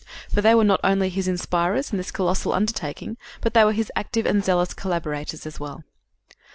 For they were not only his inspirers in this colossal undertaking, but they were his active and zealous collaborators as well.